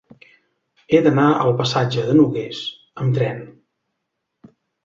He d'anar al passatge de Nogués amb tren.